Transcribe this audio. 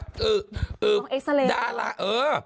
น้องเอ็กซาเลเหรอด้าละเออ